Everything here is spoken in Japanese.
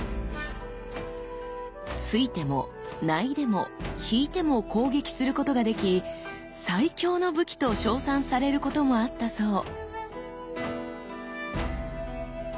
突いても薙いでも引いても攻撃することができ「最強の武器」と称賛されることもあったそう。